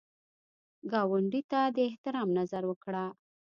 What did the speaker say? ګاونډي ته د احترام نظر وکړه